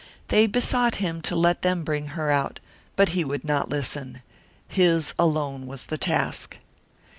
They besought him to let them bring her out, but he would not listen. His alone was the task.